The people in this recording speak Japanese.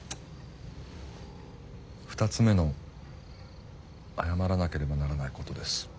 ２つ目の謝らなければならないことです。